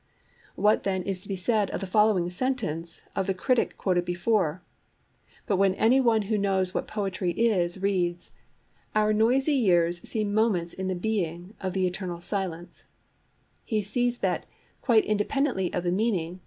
What then is to be said of the following sentence of[Pg 27] the critic quoted before: 'But when any one who knows what poetry is reads— Our noisy years seem moments in the being Of the eternal silence, he sees that, quite independently of the meaning